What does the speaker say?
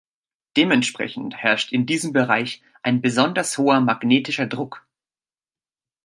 Dementsprechend herrscht in diesem Bereich ein besonders hoher magnetischer Druck.